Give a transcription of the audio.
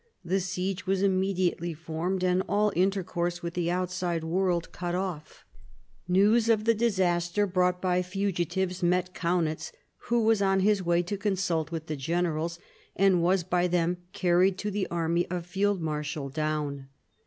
The siege was immediately formed, and all intercourse with the outside world cut off. ,•• 186 MARIA THERESA chap, vii News of the disaster, brought by fugitives, met Kaunitz, who was on his way to consult with the generals, and was by him carried to the army of Field Marshal Daun.